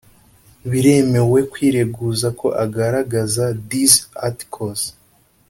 biremewe kwireguza ko agaragaza this Article